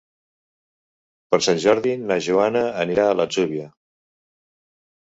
Per Sant Jordi na Joana anirà a l'Atzúbia.